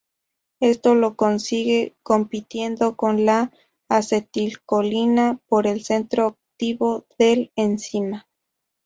Esto lo consigue compitiendo con la acetilcolina por el centro activo del enzima.